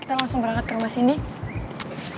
kita langsung berangkat ke rumah sini